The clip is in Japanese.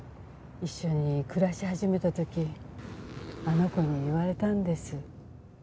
一緒に暮らし始めた時あの子に言われたんです。